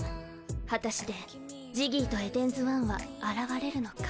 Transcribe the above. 果たしてジギーとエデンズワンは現れるのか。